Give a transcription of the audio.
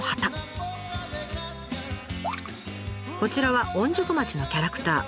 こちらは御宿町のキャラクター。